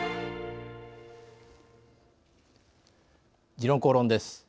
「時論公論」です。